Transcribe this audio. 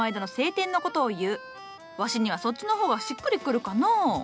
わしにはそっちの方がしっくりくるかのう。